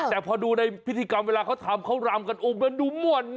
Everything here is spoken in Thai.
แต่พอดูในพิธีเวลาเขาทำเขารำกันดูหมวด